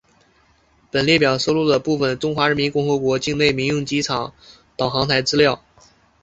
本列表收录了部分中华人民共和国境内民用机场导航台资料。